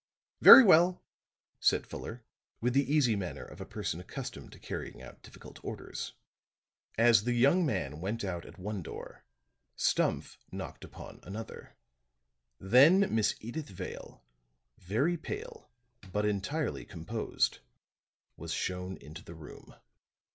"Very well," said Fuller, with the easy manner of a person accustomed to carrying out difficult orders. As the young man went out at one door, Stumph knocked upon another; then Miss Edyth Vale, very pale, but entirely composed, was shown into the room.